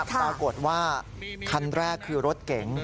คาดว่าคันแรกคือรถเก๋ง